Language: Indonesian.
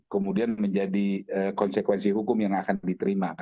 kemudian menjadi konsekuensi hukum yang akan diterima